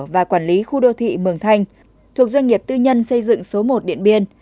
và quản lý khu đô thị mường thanh thuộc doanh nghiệp tư nhân xây dựng số một điện biên